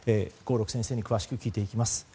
合六先生に詳しく聞いていきます。